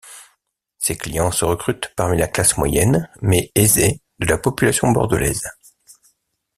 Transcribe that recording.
Ses clients se recrutent parmi la classe moyenne mais aisée de la population bordelaise.